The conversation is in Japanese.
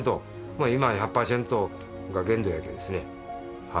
今は１００％が限度やけんですね